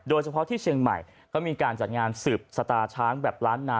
โดยเฉพาะที่เชียงใหม่เขามีการจัดงานสืบสตาช้างแบบล้านนา